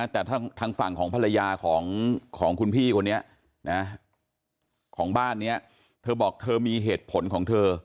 แต่ทางฝั่งของภรรยาของคุณพี่คนนี้ของบ้านนี้เธอบอกเธอมีเหตุผลของเธอ